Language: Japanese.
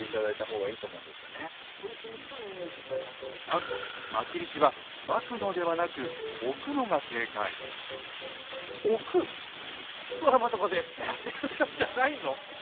なんとまきびしはまくのではなく置く⁉ドラマとかでビャッてやるんじゃないの？